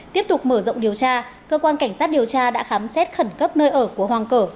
tiếp tục mở rộng điều tra cơ quan cảnh sát điều tra đã khám xét khẩn cấp nơi ở của hoàng cờ